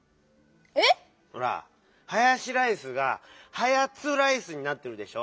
えっ⁉ほら「ハヤシライス」が「ハヤツライス」になってるでしょ？